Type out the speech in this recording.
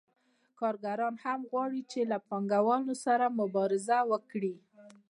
کارګران هم غواړي چې له پانګوالو سره مبارزه وکړي